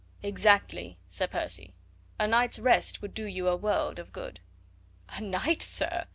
"Exactly, Sir Percy. A night's rest would do you a world of good." "A night, sir?"